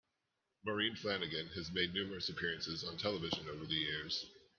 Maureen Flannigan has made numerous appearances on television over the years.